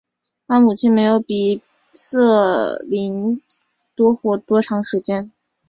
她的母亲没有比凯瑟琳多活多长时间。